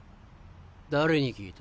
誰に聞いた？